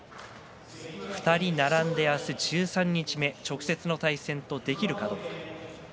２人並んで明日、十三日目直接の対戦ができるかどうか。